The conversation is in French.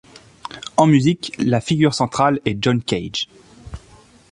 En musique, la figure centrale est John Cage.